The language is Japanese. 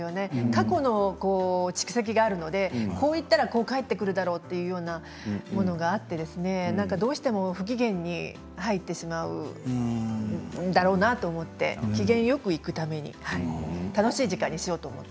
過去の蓄積があるので、こう言ったらこう返ってくるだろうというのがあってどうしても不機嫌に入ってしまうだろうなと思って機嫌よく行くために楽しい時間にしよう